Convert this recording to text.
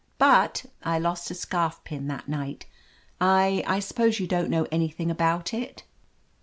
But — I lost a scarf pin that night. I — I suppose you don't know any thing about it